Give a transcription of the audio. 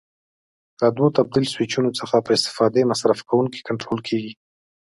له دوو تبدیل سویچونو څخه په استفاده مصرف کوونکی کنټرول کېږي.